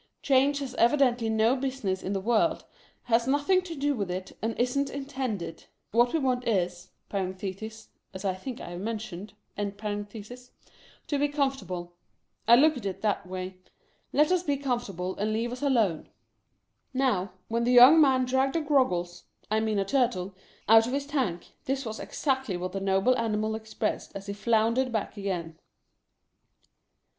Change has evidently no business in the world, has nothing to do with it and isn't intended. What we want is (as I think I have mentioned) to be comfortable. I look at it that way. Let us be com fortable, and leave us alone. Now, when the young man dragged a Groggles — I mean a Turtle — out of his tank, this was exactly what the noble animal expressed as he floundered back again.